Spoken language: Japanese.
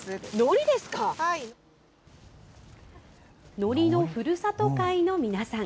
海苔のふるさと会の皆さん。